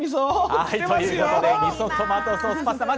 はいということで「みそトマトソースパスタ」